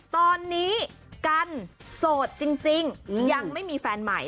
ตอนนี้กันโสดจริงยังไม่มีแฟนใหม่